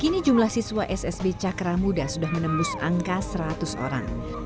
kini jumlah siswa ssb cakra muda sudah menembus angka seratus orang